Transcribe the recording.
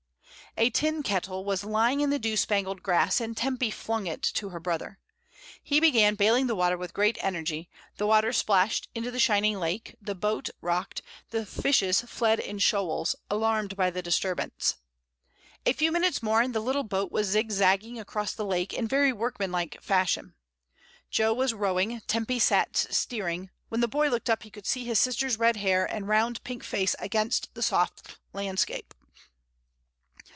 A tin kettle was lying in the dew spangled grass, and Tempy flung it to her brother. He began Mrs, Dymond. /. 2 1 8 MRS. DYMOND. baling the water with great energy, the water splashed into the shining lake, the boat rocked, the fishes fled in shoals, alarmed by the disturbance. A few minutes more the little boat was zigzagging across the lake in very workmanlike fashion. Jo was rowing, Tempy sat steering; when the boy looked up he could see his sister's red hair and round pink face against the soft landscape.